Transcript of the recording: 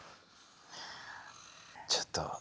ちょっと。